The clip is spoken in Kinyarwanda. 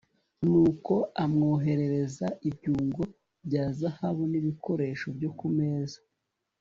nuko amwoherereza ibyungo bya zahabu n'ibikoresho byo ku meza